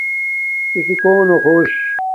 تُشُݸ کݸنݸ خݸش؟